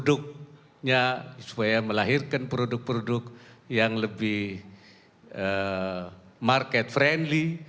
produknya supaya melahirkan produk produk yang lebih market friendly